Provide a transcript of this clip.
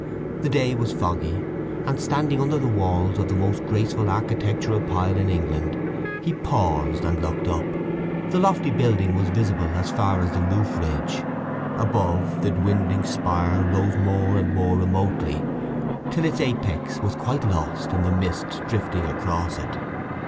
The day was foggy, and standing under the walls of the most graceful architectural pile in England he paused and looked up. The lofty building was visible as far as the roofridge; above, the dwindling spire rose more and more remotely, till its apex was quite lost in the mist drifting across it.